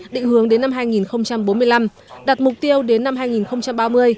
định hướng đến năm hai nghìn bốn mươi năm đặt mục tiêu đến năm hai nghìn ba mươi